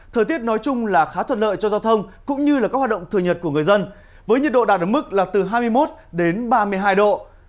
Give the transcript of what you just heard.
thời tiết nói chung là khá thuận lợi cho giao thông cũng như là các hoạt động thừa nhật của người dân với nhiệt độ đạt được mức là từ hai mươi một đến ba mươi hai độ